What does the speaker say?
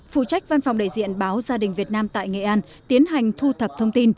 phụ trách văn phòng đại diện báo gia đình việt nam tại nghệ an tiến hành thu thập thông tin